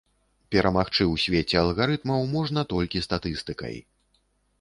Перамагчы ў свеце алгарытмаў можна толькі статыстыкай.